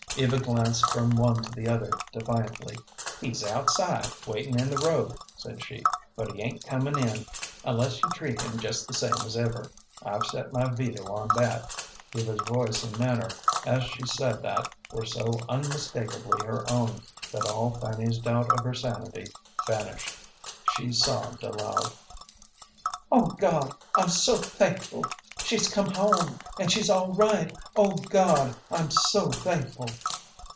Eva glanced from one to the other defiantly. "He's outside, waitin' in the road," said she; "but he ain't comin' in unless you treat him just the same as ever. I've set my veto on that." Eva's voice and manner as she said that were so unmistakably her own that all Fanny's doubt of her sanity vanished. She sobbed aloud. "O God, I'm so thankful! She's come home, and she's all right! O God, I'm so thankful!"